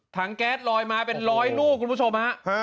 ถังแก๊สลอยมาเป็นรอยนู่คุณผู้ชม